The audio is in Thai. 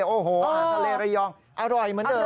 โอ้โหอาหารทะเลระยองอร่อยเหมือนเดิม